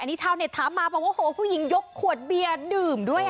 อันนี้เช่าเน็ตถามมาบอกว่าโฮพวกี้ยิงยกขวดเบียร์ดื่มด้วย